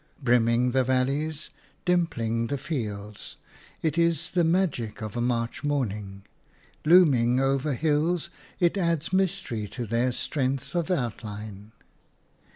Brimming the valleys, dimpling the fields, it is the magic of a March morning; looming over hills, it adds mystery to their strength of outline.